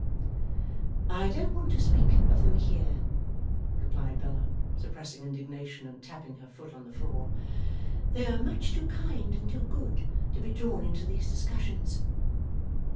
'I don't want to speak of them here,' replied Bella, suppressing indignation, and tapping her foot on the floor. 'They are much too kind and too good to be drawn into these discussions.